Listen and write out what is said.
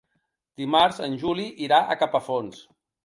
Dimarts en Juli irà a Capafonts.